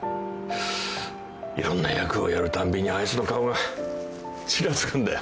いろんな役をやるたんびにあいつの顔がちらつくんだよ。